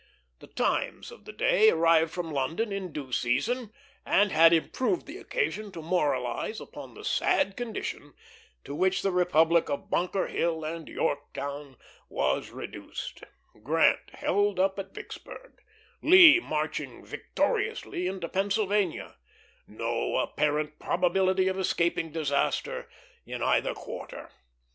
The Times of the day arrived from London in due season, and had improved the occasion to moralize upon the sad condition to which the Republic of Bunker Hill and Yorktown was reduced: Grant held up at Vicksburg, Lee marching victoriously into Pennsylvania, no apparent probability of escaping disaster in either quarter.